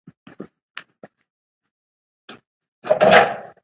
د خلکو ګډون د بدلون ځواک دی